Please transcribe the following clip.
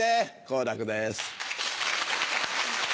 好楽です。